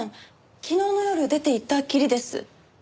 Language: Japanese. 昨日の夜出ていったきりです。